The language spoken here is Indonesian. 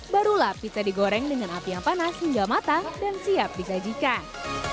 barulah pizza digoreng dengan api yang panas hingga matang dan siap disajikan